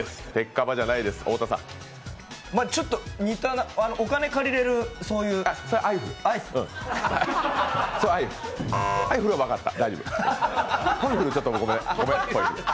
ちょっと似た、お金借りれるそういうそれアイフル。